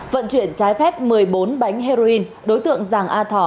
vận chuyển trái phép một mươi bốn bánh heroin đối tượng giàng a thỏ